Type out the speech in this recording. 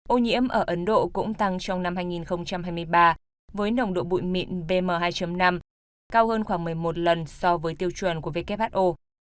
ô nhiễm ở ấn độ cũng tăng trong năm hai nghìn hai mươi ba với nồng độ bụi mịn bm hai năm cao hơn khoảng một mươi một lần so với tiêu chuẩn của who